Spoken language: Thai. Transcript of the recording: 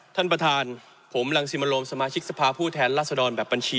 ท่านประธานผมรังสิมโรมสมาชิกสภาผู้แทนรัศดรแบบบัญชี